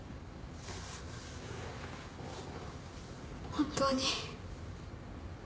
本当に。